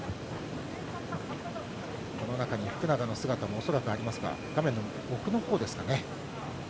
この中に、福永の姿も恐らくありますが画面の奥のほうですかね。